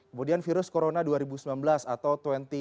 kemudian virus corona dua ribu sembilan belas atau